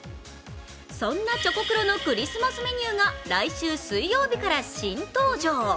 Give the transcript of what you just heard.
そんなチョコクロのクリスマスメニューが来週水曜日から新登場！